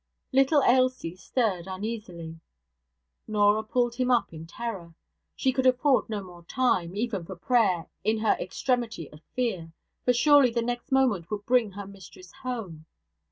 Little Ailsie stirred uneasily. Norah pulled him up in terror. She could afford no more time, even for prayer, in her extremity of fear; for surely the next moment would bring her mistress home.